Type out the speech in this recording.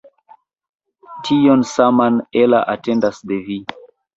Tion saman Ella atendas de vi!